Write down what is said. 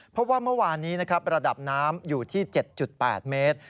เพราะว่าเมื่อวานนี้นะครับระดับน้ำอยู่ที่๗๘เมตร